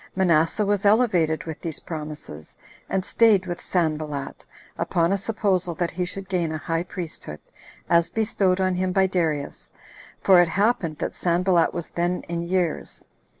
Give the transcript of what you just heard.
Manasseh was elevated with these promises, and staid with Sanballat, upon a supposal that he should gain a high priesthood, as bestowed on him by Darius, for it happened that Sanballat was then in years.